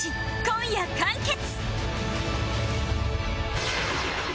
今夜完結！